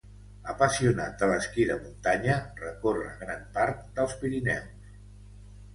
Apassionat de l'esquí de muntanya recorre gran part dels Pirineus.